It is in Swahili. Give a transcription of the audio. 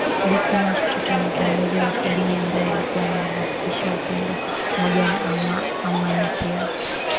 Desmond Tutu ni kiongozi wa kidini ambae alikuwa anaamasisha upendo umoja na amanipia